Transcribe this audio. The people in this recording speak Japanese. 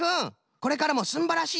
これからもすんばらしい